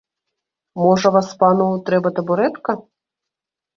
Можа, васпану трэба табурэтка?